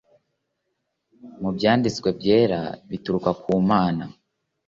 mu Byanditswe byera bituruka kumana